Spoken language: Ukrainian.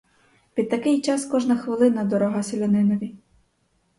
Під такий час кожна хвилина дорога селянинові.